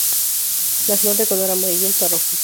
La flor de color amarillento a rojizo.